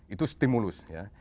itu stimulus ya